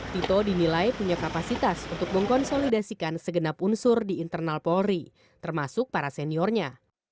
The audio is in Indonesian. tito dinilai punya kapasitas untuk mengkonsolidasikan segenap unsur di internal polri termasuk para seniornya